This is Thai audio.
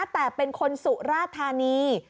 แต่เป็นคนสุราภัณฑ์นี้